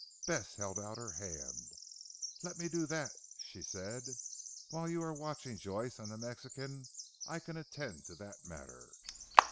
Bess held out her hand. "Let me do that," she said, "while you are watching Joyce and the Mexican I can attend to that matter."